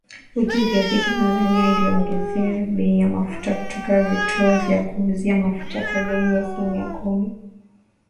Wiki iliyopita, Tanzania iliongeza bei ya mafuta katika vituo vya kuuzia mafuta kwa zaidi ya asilimia kumi